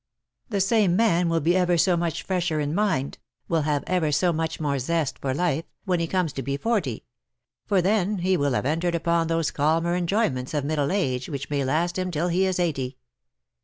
The same man will be ever so much fresher in mind, will have ever so much more zest for life, when he comes to be forty — for then he will have entered upon those calmer enjoyments of middle age which may last him till he is eighty.